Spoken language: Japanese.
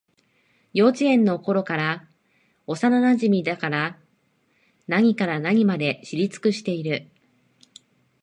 幼稚園のころからの幼なじみだから、何から何まで知り尽くしている